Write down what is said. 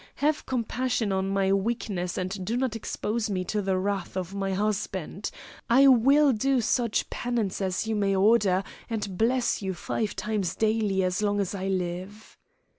Have compassion on my weakness and do not expose me to the wrath of my husband! I will do such penance as you may order, and bless you five times daily as long as I live."